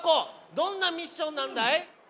どんなミッションなんだい？